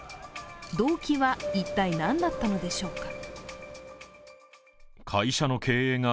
動機は一体何だったのでしょうか。